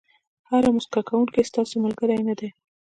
هر موسکا کوونکی ستاسو ملګری نه دی.